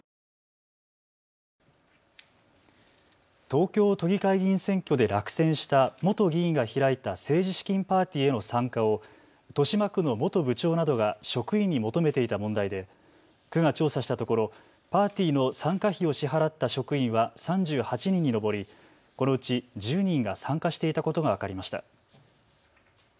東京都議会議員選挙で落選した元議員が開いた政治資金パーティーへの参加を豊島区の本部長などが職員に求めていた問題で区が調査したところパーティーの参加費を支払った職員は３８人に上り、このうち１０人が参加していたことが分かりました。